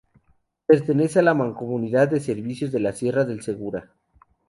Pertenece a la mancomunidad de servicios de la Sierra del Segura.